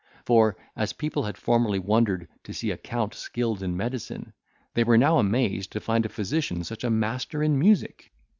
For, as people had formerly wondered to see a count skilled in medicine, they were now amazed to find a physician such a master in music.